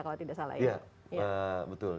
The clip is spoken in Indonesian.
kalau tidak salah iya betul